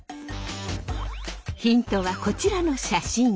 ヒントはこちらの写真。